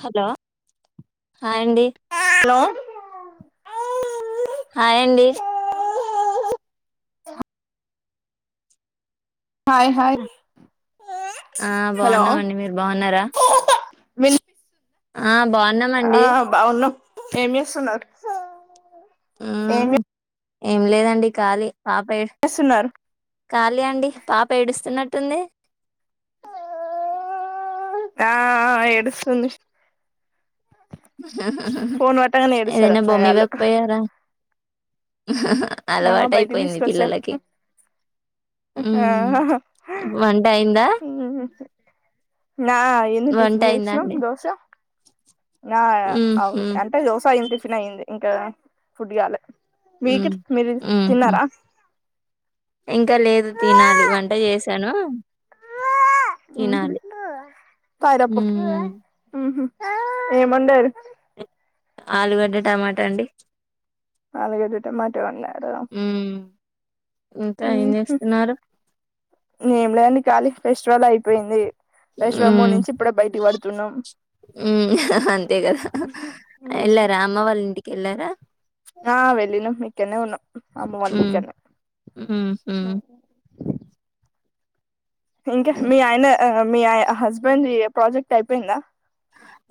Hello హయండి hello హయండి hi hi ఆ హలో బాగున్నామండి మీరు బాగున్నారా వినిపిస్ ఆ ఆ బాగున్నామండి బాగున్నం ఏం జేస్తున్నరు ఆ ఏం లేదండి ఖాలీ పాపేడ్ చేస్తున్నారు ఖళీ అండి పాప ఏడుస్తున్నట్టుంది ఆ ఆ ఆ ఏడుస్తుంది ఫోన్ పట్టగానే ఏడుస్తారు ఏదైనా బొమ్మ అట్లగాళ్ళు బయటికి అలవాటైపోయింది తీసుకొచ్చా పిల్లలకి మ్ ఆ వంట అయిందా నా అయింది వంట టిఫిన్ అయిందా జేశినం అండి దోశ నా అవు మ్మ్ అంటే దోసా [unintelligible] టిఫిన్ అయింది ఇంకా ఫుడ్ గాలే మ్మ్ మీకు మీరు మ్మ్ తిన్నారా ఇంకా లేదు తినాలి వంట చేసాను తినాలి హు మ్మ్ ఏమోండారు ఆలుగడ్డ టమాటా అండి ఆలుగడ్డ టమాట వండరా మ్మ్ ఇంకా ఏం మ్ హు చేస్తున్నారు ఏమిలేదండి ఖాళీ ఫెస్టివల్ అయిపోయింది ఫెస్టివల్ మూడ్ నుంచి ఇప్పుడే బయటిక్ పడుతున్నాం మ్ అంతే గదా ఎళ్లారా అమ్మ వాళ్ళ ఇంటికేళ్లారా ఆ వెళ్ళినం ఇక్కన్నే ఉన్నం మ్ మ్ హు ఇంక హ్మ్. మీ ఆయన అ అ మీ ఆయ్ హస్బెండ్ ది ప్రాజెక్ట్ అయిపోయిందా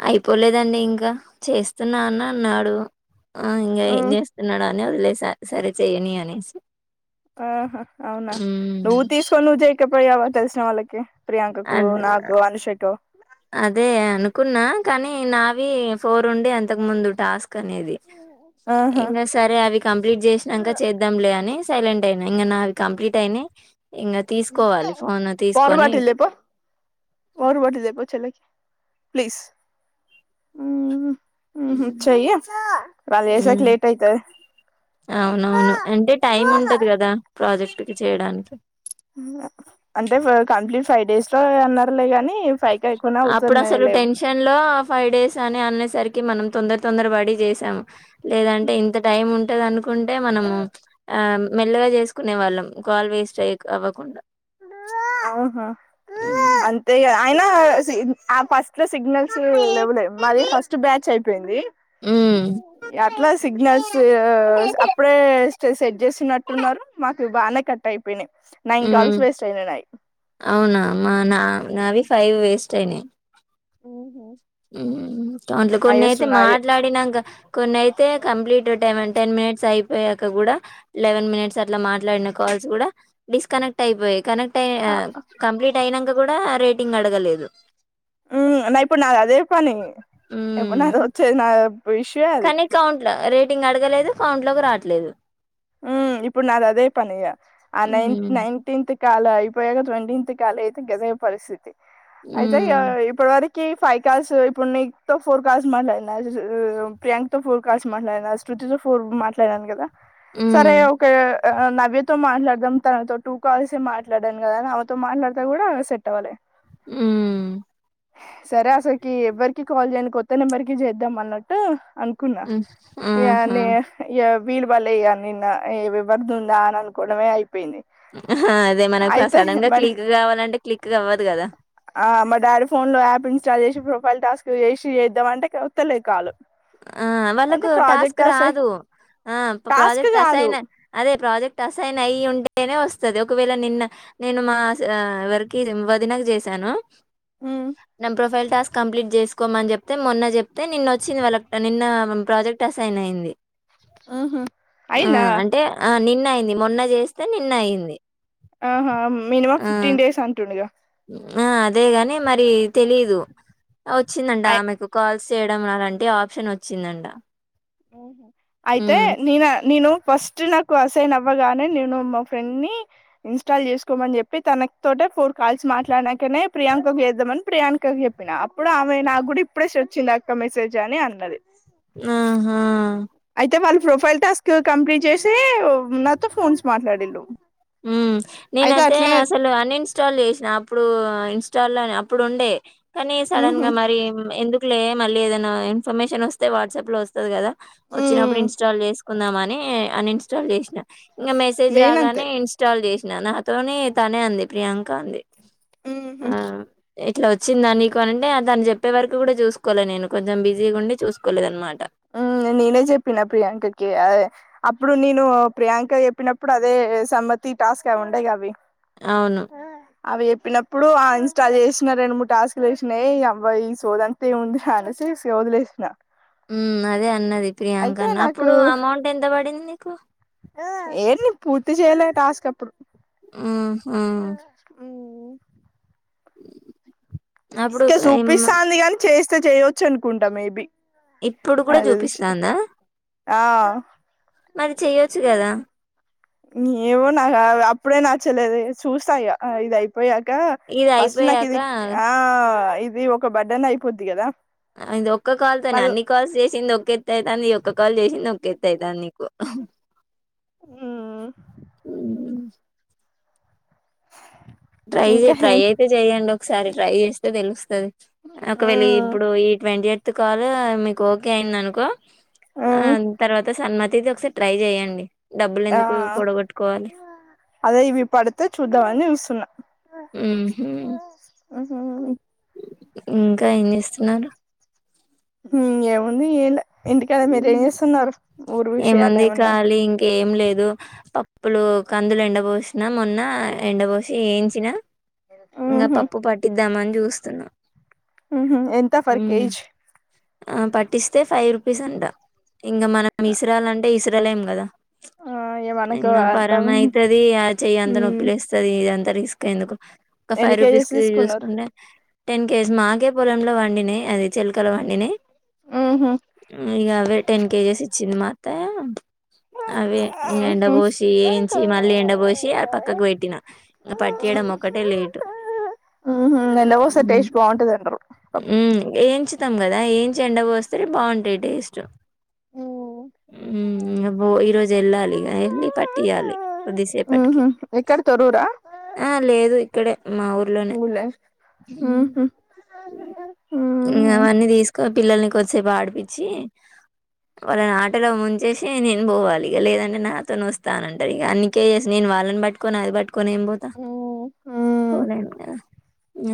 అయిపోలేదండి ఇంకా చేస్తున్నా అన అన్నాడు ఆ ఇంగ ఏం చేస్తున్నాడని వదిలేస సరే చెయ్యని అనేసి ఆహా అవునా హ్మ్. నువ్వు తీసుకొని నువ్వు చేయకపోయావా తెలిసిన వాళ్ళకి ప్రియాంకకు అ ద్ నాకు అనుషకు అదే అనుకున్నా కానీ నావి ఫోర్ డుండే అంతకు ముందు టాస్క్ అనేది ఆహా ఇంగ సరే అవి కంప్లీట్ చేసినంక చేద్దాంలే అని సైలెంట్ అయినా ఇంగ నావి కంప్లీట్ అయినయ్ ఇంగ తీసుకోవాలి ఫోన్ తీసుకొని పొ వాటర్ బాటిల్ తెపొ చెల్లెకి ప్లీజ్ మ్ హు హ్మ్. చెయ్యే వళ్ళు చేసారిక్ హ్మ్. లేట్ అయితది అవునవును అంటె టైం ఉంటది గదా ప్రాజెక్ట్ కి చేయడానికి అంటే ఫ్ కంప్లీట్ ఫై డేస్ లో అన్నారులే గానీ అప్పుడసలు టెన్షన్ లో ఫై డేస్ అని అనేసరిక్ కి మనం తొందర తొందర బడి చేసాం లేదంటే ఇంత టైం ఉంటదనుకున్ కుంటే మనము ఆ మెల్లగ చేసుకునే వాళ్ళం కాల్ వేస్ట్ అయ అవ్వకుండా అహ హ్మ్. అంతే ఇగ అయనా సి అ ఫస్ ట్ల సిగ్నల్స్ లేవ్వులే మాది ఫస్ట్ బ్యాచ్ అయిపోయింది హ్మ్. ఆట్లా సిగ్నల్సు అప్పుడే స్ సెట్ జేస్తునట్టున్నారు మాకు బానే కట్ అయిపోయినయ్ నైన్ కాల్స్ హ్మ్. వేస్ట్ అయినాయి నాయి అవునా మా నా నావి ఫైవ్ వేస్ట్ అయినయ్ ఉ హు మ్ దంట్ల కొన్నైతే నాయే మాట్లాడినంక కొన్నైతే కంప్లీట్ టెవెన్ టెన్ మినిట్స్ అయిపోయాక గూడా లెవెన్ మినిట్స్ అట్ల మాట్లాడిన కా ల్స్ కూడ డిస్కనెక్ట్ అయిపోయి కనెక్ టె కంప్లీట్ అయినంక కూడా రేటింగ్ అడగలేదు హు మ్ నాది నా ఇప్పుడు నాది అదే పని ఎప్పుడు నా హ్మ్. వచ్చేది నా ఇష్యూ ఏ అది కానీ కౌంట్‌ల రేటింగ్ అడగలేదు కౌంట్ లోకి రాట్లేదు ఉ ఇప్పుడు నాది అదే పని ఇగ ఆ నైన్ హ్మ్. నైన్టీన్త్ కాల అయిపోయాక ట్వంటీన్త్ కాలి అయితే గదే పరిస్థితి అయితే ఇగ హ్మ్. ఇప్పటి వర కి ఫైవ్ కాల్స్ ఇప్పుడు నీతో ఫోర్ కాల్స్ మాట్లాడిన ప్రియాంకతో ఫోర్ కాల్స్ మాట్లాడినా శృ తు తో ఫోర్ మాట్లాడాను కదా సరే హ్మ్. ఒకె ఆ నవ్యతో మాట్లాడదాం తనతో టూ కాల్సి మాట్లాడాను కదా అని ఆమెతో మాట్లాడతా కూడా సెట్ అవ్వలే ఉమ్ సరే అసలుకి ఎవ్వరికి కాల్ చేయ్యనికి కొత్త నెంబర్కి చేద్దాం అన్నట్టు అనుకున్నా హ్మ్. ఇగ ఆహా! నే ఇగ వీలు భల్లే ఇగ నిన్న ఏవరిదుందా అని అనుకోవడమే అయి అదే మనకు సడన్ గా మా క్లిక్ కావాలంటే క్లిక్ అవ్వదు కదా ఆ మా డాడీ ఫోన్ లో యాప్ ఇన్స్టాల్ చేసి ప్రొఫైల్ టాస్క్ చేసి చేద్దాం అంటే వత్తలే కాలు ఆ అంటే వాళ్ళకు ప్రాజెక్ట్ టాస్కు అసై రాదు ఆ టాస్క్ ప్రాజెక్ట్ కాదు అసాయిన్ అదే ప్రాజె క్ట్ అసైన్ అయి ఉంటేనే వస్తది ఒకవేళ నిన్న నేను మా ఎవరికి వదినకు చేసా ను ఉమ్ నా ప్రొఫైల్ టాస్క్ కంప్లీట్ చేసుకోమని చెప్తే మొన్న చెప్తే నిన్న వచ్చింది వాళ్ళ నిన్న మ్ ప్రాజెక్ట్ అసైన్ అయింది ఉహు ఆ అయిందా అంటే ఆ నిన్న అయింది మొన్న చేస్తే నిన్న అయింది ఆహా మినిమం ఆ ఫిఫ్టీన్ డేస్ అంటుండెగా ఆ అదేగాని మరి తెలీదు వచ్చిందంట అయి ఆమెకు కాల్ స్ చేయడం అలాంటి ఆప్షన్ వచ్చిందంట అయితే ఉమ్ నినా నిను ఫస్ట్ నాకు అసైన్ అవ్వగానే నేను మా ఫ్రెండ్ ని ఇన్స్టాల్ చేసుకోమని చెప్పి తన తోటె ఫోర్ కాల్స్ మాట్లాడినాంకనే ప్రియాంకకు చేద్దామని ప్రియాంక కు చెప్పిన అప్పుడు ఆమె నాకు కూడా ఇప్పుడే స్టర్చ్ ఇందక్క మెసేజ్ అని అన్నది ఆహా అయితే వాళ్ళ ప్రొఫైల్ టాస్క్ కంప్లీట్ చేసి నాతో ఫోన్స్ మాట్లాడి ఉమ్ నేనైతే అసలు అన్ఇన్స్టాల్ చేసిన అప్పుడు ఇంస్టాలోనే అప్పుడు ఉండే కానీ సడన్ ఉహు గా మరి ఎందు కులే మళ్ళీ ఏదైనా ఇన్ఫర్మేషన్ వస్తే వాట్సాప్ లో వస్తది కదా వచ్చినప్పుడు ఉమ్ ఇన్స్టాల్ చేసుకుందాంమ ని అన్ఇంస్టాల్ చేసిన ఇంగ మెసేజ్ నేనంతే రాగానే ఇంస్టాల్ చేసి న నాతోని తనే అంది ప్రియాంక అంది ఉహు ఆ ఇట్లా వచ్చిందా నీకు అంటే తను చెప్పే వరకు కూడా చూసుకోలే నేను కొంచెం బిజీగా ఉండి చూసుకోలేదు అనమాట ఉ నేనే చెప్పిన ప్రియాంకకి అదే అప్పుడు నేను ప్రియాంక చెప్పినప్పుడు అదే సమ తి టాస్క్ అవి ఉండేగ అవును. అవి చెప్పినప్పుడు ఇంస్టాల్ చేస్ న రెండు మూడు టాస్కులు వేసినా ఈ అబ్బ ఈ సోదంత ఏముందిర అనేసి వదిలేసిన ఉమ్ అదే అన్నది ప్రియాంక అయితే న నాకు అప్పుడు అమౌంట్ ఎంత పడింది నీకు ఏ నేను పూర్తి చేయలే టాస్క్ అప్పుడు హ్మ్. హ్మ్. ఉమ్ అప్పుడు ఇంకా ఒక ఇమ్మ సూపిస్తాంది కాని చేస్తే చేయొచ్చు అనుకుంటా మేబి ఇప్పుడు కూడా నాకు తెలిసి చూపిస్తాందా ఆ మరి చెయొచ్చు గదా ఏవొ నా ఆ అప్పుడే నచ్చలేద చూస్తా ఇగా ఇది ఐ పోయాక ఇది ఫస్ట్ అయిపోయాక నాకిది ఆ ఇది ఒక బడ్డన్ అయిపోద్ది కదా అది ఒక్క కాల్ తోనే మళ్ అన్ని కాల్స్ చేసింది ఒకేత్తాయితాంది ఈ ఒక్క కాల్ చేసింది ఒక ఎత్తు ఐతంది నీకు మ్ హ్మ్. ట్రై చే ఇంకా ట్రై ఏం అయితే చెయండి ఒకసారి ట్రై చేస్తే తెలుస్తది ఒకవేళ మ్ ఇప్పుడు ఈ ట్వంటీ ఎయిత్ కాల్ మీకు ఓకే అయింది అనుకో ఆ మ్ తర్వాత సన్మతిది ఒకసారి ట్రై చెయ్యండి ఆ అదే ఇవి పడుతే చూద్దమని చూస్తున్న ఉహు ఉహు ఇంకా ఏంజెస్తున్నారు ఉమ్ ఏముంది ఎంలే ఇంటికడ మీరు హ్మ్. ఏం చేస్తున్నారు ఊరు విషయాలు ఏమన్నా ఎం లేదు పప్పులు కందులు ఎండ పోశిన మొన్న ఎండ పోశి ఏయించినా ఇంగ ఉహు పప్పు పట్టిద్దామని చూస్తున్నా ఉహు ఎంత ఫర్ ఉమ్ కేజ్ ఆ పట్టిస్తే ఫైవ్ రూపీస్ అంట ఇంకా మనం ఇస్రాలాంటే ఇస్రాలేం కదా ఆ ఏమనకు ఇంగ అంత పరమయితది ఆ చెయ్యి అంతా మ్ నొప్పిలేస్తది ఇదంతా రిస్క్ ఎందుకు ఒక ఫై ఎన్ని రు ఫీస్ కేజెస్ కి తీసుకున్నారు చూసుకుంటే టెన్ కేజెస్ మాకే పొలంలో పండినై అది చేల్కల పండినై ఉహు ఇగ అవే టెన్ కేజెస్ ఇచ్చింది మా అత్త అవే ఇంగ ఎండ ఉహు పోషి ఎంచి మళ్ళీ ఎండ పోషి పక్కకు పెట్టిన ఇంగ ప ట్టియడం ఒకటే లేటు ఉహు ఎండ పోసె హ్మ్. టేష్ బాగుంటది అంటారు పప్పు స్తాం కదా ఎంచి ఎండ పోస్తేనే బాగుంటాయి టేస్ట్ మ్ ఉమ్ ఇగ పో ఈరోజు ఎళ్ళాలి ఇగ ఎళ్ళి పట్టియ్యాలి కొద్దిసేపటికి ఉహు ఎక్కడ తొర్రురా ఆ లేదు ఇక్కడే మా ఊర్లోనే గుళ్ళే ఉహు ఇంగ ఉహు అవన్నీ తీసుక పిల్లల్ని కొద్దిసేపు ఆడిపిచ్చి వాళ్ళనీ ఆటలో ముంచేసే నేను బోవాలి ఇగ లేదంటే నాతోనీ ఓస్తానంటాదిగ అన్ని కేజస్ నేను వాళ్ళన్ పట్టుకొని అది బట్ కొని ఏం బోత ఉమ్ పోలేనుగదా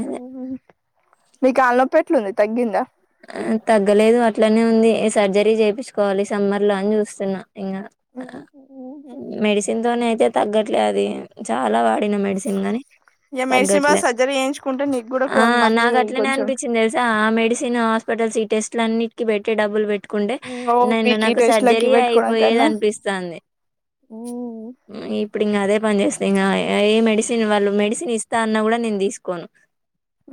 అదే నీ కాల్నోప్పి ఎట్లుంది తగ్గిందా ఆ తగ్గలేదు అట్లనే ఉంది సర్జరీ చేపిచుకోవాలి సమ్మర్ లో అని చూస్తున్నా ఇంగా ఆ మెడిసిన్ తోనీ అయితే తగ్గట్లే అది చాలా వా డిన మెడిసిన్ గని ఇగ మెడిసిన్ బదులు తగ్గట్లే సర్జరీ చేయించుకుంటే నీకు కూడా కొ ఆ మనీ నాకు అట్లనే కొంచెం అనిపించింది తెలుసా ఆ మెడిసే హాస్పిటల్స్ టెస్టుల అన్నిటికి పెట్టి డబ్బులు పెట్ కుంటే నేను ఓపికి నాకు టెస్ట్లకి సర్జరీ పెట్టుకోవడం అయిపోయేది కన్నా అనిపిస్తాంది ఇప్పుడింగ అదే పని చేస్ ఇంగ ఏ మెడిసిన్ వాళ్ళు మెడిసిన్ ఇస్తా అన్నా కూడా నేను తీసుకోను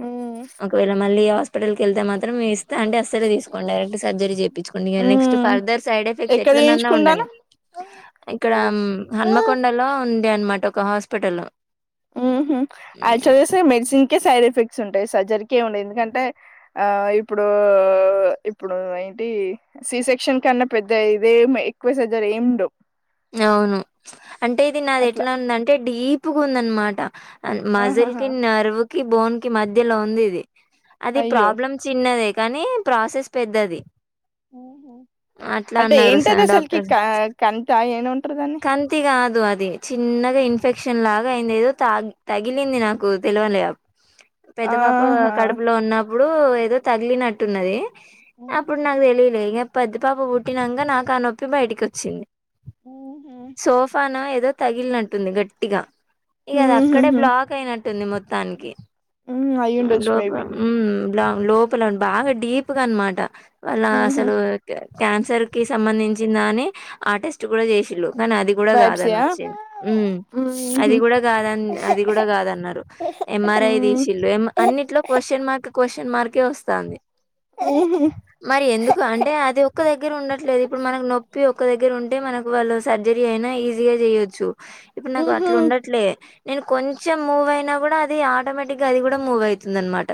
ఉమ్ ఒకవేళ మళ్ళీ హాస్పిటల్ కి వెళ్తే మాత్రం మేంఇస్తా అంటే అస్సలే తీసుకోను డైరెక్ట్ సర్జరీ చే ప్పించుకున్న ఇగ నెక్స్ట్ ఉమ్ ఫర్దర్ సైడ్ ఎఫెక్ట్స్ ఎక్కడ ఎట్లానన్నా ఉండనీ చేయించుకుంటానవ్ ఇక్కడ మ్ హన్మకొండలో ఉంది అనమాట ఒక హాస్పిటల్ ఉహుం యాక్చుగేసే మెడిసిన్ కే సైడ్ ఎఫెక్ట్స్ ఉంటాయి సర్జరీ కి ఉండే ఎందుకంటే ఆ ఇప్పుడు ఇప్పుడు ఏంటి సీ సెక్షన్ కన్నా పెద్ద ఇదేం ఎక్వసజరీ ఏముండవ్ అవును అంటే ఇది నాది అట్లా ఎట్లా ఉంది అంటే దీప్గ ఉందనమాట మజిల్ ఆహాహా కి నర్వ్ కి బోన్ కి మధ్యలో ఉంది ఇది అది అయ్యో ప్రాబ్లమ్ చిన్నదే కానీ ప్రాసెస్ పెద్దది అట్లా అంటే అన్నారు ఏంటది సెవెన్ అసలుకి డాక్టర్స్ క కంతా ఏమంటారు దాన్ని కంతిగాదు అ అది చిన్నగా ఇన్ఫెక్షన్ లాగా అయింది ఏదో తాగి తగిలింది నాకు తెలువలే పెద్ద పాప ఆహా కడుపులో ఉన్నప్పుడు ఏదో తగిలినట్టున్నది అప్పుడు నాకు తెలియలే ఇంగా పెద్ద పాప పుట్టినంక నాకు ఆ నొప్పి బయటకి వచ్చింది సోఫాన ఏదో తగిలినంటుంది గట్టిగా ఇగా అది అక్కడే ఊహుహు బ్లాక్ అయినట్టుంది మొత్తానికి మ్ ఉ అయ్యుండొచ్చు లోప మేబి ఉమ్ లోపల బాగా డీప్గా అనమాట వాళ్ళ ఊహు అసలు క్యాన్సర్ కి సంబంధించిందా అని ఆ టెస్ట్ కూడా చేసిలు కానీ అది కూడా కాదని బైబ్సియా వచ్చింది ఉ అది ఊహు కూడా కాద అది కూడా కాదన్నారు ఎంఆర్ఐ తీస్ మ్ చిల్లు ఎం అన్నిట్లో క్వశ్చన్ మార్క్ క్వశ్చన్ మార్కే వస్తంది ఊహు మరి ఎందుకు అంటే అది ఒక్క దగ్గర ఉండట్లేదు ఇప్పుడు మనకు నొప్పి ఒక దగ్గర ఉంటే మనకు వాళ్ళు సర్జరీ అయినా ఈజీగా చెయొచ్చు ఇప్పుడు నాకు ఊహు అట్ల ఉండట్లే నేను కొంచెం మూవ్ అయినా కూడా అది ఆటోమేటిక్గా అది కూడా మూవ్ ఐతుంది అనమాట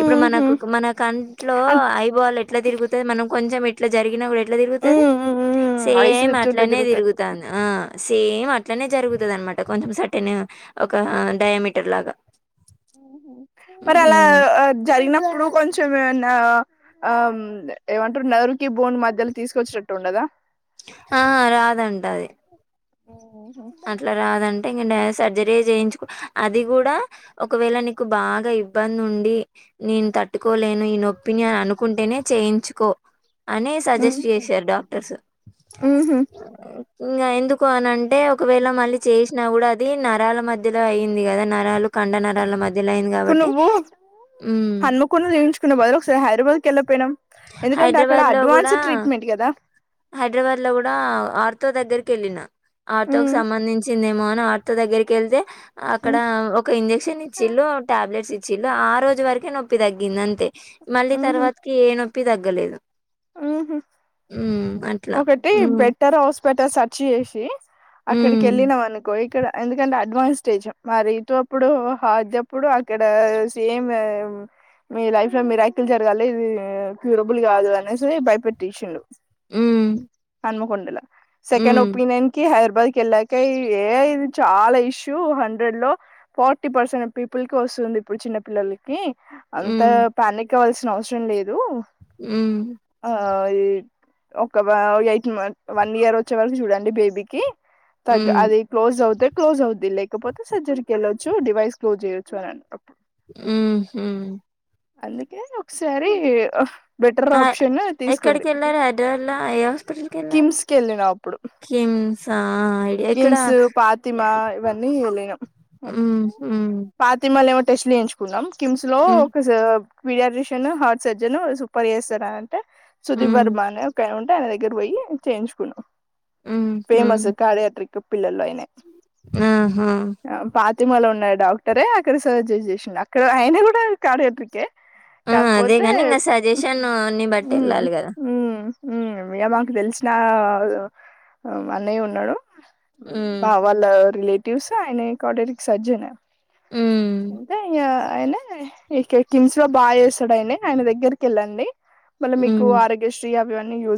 ఇప్పుడు మనకు మన కంట్లో అం ఐబాల్ ఎట్లా తిరుగుతది మనం కొంచెం ఇట్లా జరిగిన కూడా ఎట్ల తిరుగుతది మ్ మ్ మ్ ఐస్ సేమ్ చెప్తుంటే అట్లనే తిరుగుతది తిరుగుతంది ఆ సేమ్ అట్లనే జరుగుతది అనమాట కొంచెం సటెన్ ఒక డయామీటర్ లాగా ఉహు మరి అలా హ్మ్. జరిగినప్పుడు కొంచెం ఏమనా ఆ ఏమంటారు నర్వ్ కి బోన్ మధ్యలో తీసుకొచ్చేటట్టు ఉండదా ఆ రాదంట అది అట్లా రాదం టె సర్జరీ చేయించుకో అది కూడా ఒకవేళ నీకు బాగా ఇబ్బంది ఉండి నేను తట్టుకోలేను ఈ నొప్పిని అనుకుంటేనే చేయించుకో అని మ్ సజెస్ట్ చేసారు డాక్టర్స్ ఊహు ఇంగా ఎందుకు అనంటే ఒకవేళ మళ్ళీ చేసినా కూడా అది నరాల మధ్యలో అయింది కదా నరాలు కండ నరాల మధ్యలో అయింది ఇప్పుడు గాబట్టి నువ్వు హ్మ్. హనుమకొండ లో చేయించుకునే బదులు ఒకసారి హైదరాబాద్ కెళ్ళక పోయినం హైదరాబాద్ లో కూడా కదా హైదరాబాద్ లో కూడా ఆర్ తో దగ్గరికి వెళ్ళిన ఆర్తోకి ఉమ్ సంబంధించిందేమో అని ఆర్తో దగ్గరికి వెళ్తే అక్కడ ఉమ్ ఒక ఇంజెక్షన్ ఇచ్చిళ్ళు టాబ్లెట్స్ ఇచ్చిళ్ళు ఆ రోజు వరకే నొప్పి తగ్గింది అంతే మళ్ళీ తర్వాతకి ఏ నొప్పి తగ్గలేదు ఉ హు ఉమ్ అట్లా ఒకటి ఉమ్ బెటర్ హాస్పిటల్ సర్చ్ చేసి అక్కడికి ఉమ్ వెళ్ళినావ్ అనుకో ఇక్కడ ఎందుకంటే అడ్వాన్స్ స్టేజ్ మరి ఇతు అప్పుడు హార్డ్ జెప్పుడు ఇక్కడ సేమ్ మీ లైఫ్ లో మిరాకిల్ జరగాలి ఇది క్యూరబుల్ కాదు అనేసి బయటపెట్టేసిండు ఉ హనుమకొండల సెకండ్ ఒపనియన్ కి హైర్ బాద్ కి వెళ్ళాక ఏ చాలా ఇష్యూ హండ్రెడ్ లో ఫార్టీ పర్సెంట్ పీపుల్ కి వస్ వస్తుంది ఇప్పుడు చిన్న పిల్లలకి అంత ఉమ్ ప్యానిక్ ఆవాల్సిన అవసరం లేదు ఉ ఆ ఒక వ ఎయిట్ం మంత్ వన్ ఇయర్ వచ్చే వరకు చూడండి బేబీకి తగ్ ఉమ్ అది క్లోజ్ అవుతే క్లోజ్ అవుద్ది లేకపోతే సర్జరీకి వెళ్ళచ్చు డివైస్ క్లోజ్ చేయొచ్చు అని అప్పుడు ఉ హు అందుకే ఒకసారి హ బెటర్ ఆ అప్ ప్షన్ ఎక్కడికి తీస్కుంది. వెళ్ళారు హైదరాబాద్ లో ఏ హాస్పిటల్ కి వెళ్ళారు కిమ్స్ కెళ్ళిన అప్పుడు కిమ్సా ఐడియా ఇక్కడ కిమ్స్, పాతిమా ఇవన్నీ ఎల్లినం. మ్ హ్ టెస్ట్ చేయించుకున్నాం. కిమ్స్లో ఒక సా పియాడ్రేషన్, హార్ట్ సర్జన్ సూపర్ చేస్తార్ అన్ సుదీప్ హ్మ్. వర్మనే ఒకే ఉంటే ఆయన దగ్గర్కు పోయి చేయించుకున్నా. హ్మ్. హ్మ్. ఫేమస్ కార్యట్రిక్ పిల్లలై ఆహా! పాతిమళ ఉన్నా డాక్టరే అక్కడ సర్జర్ చేసిండు అక్కడ ఆయన కూడా కాడియాట్రికే ఆ! అదే కాకపోతే గాని ఇంగ సజెషన్‌ని బట్టి ఉమ్ ఎళ్ళాలి గదా! ఉమ్ ఉమ్ మాకు తెలిసిన అన్నయ్య ఉన్నాడు హ్మ్. భావాల్ల రిలేటివ్స్ అయినె కార్డియాక్ టిక్ సర్జన్ హ్మ్. అంతే ఇగా అయినే ఏ కె కిమ్స్లో బాగా చేస్తాడయినే ఆయన దగ్గర్కెళ్ళండి. మల్ల మీకు హ్మ్. ఆరోగ్య శ్రీ అవన్నీ యూజ్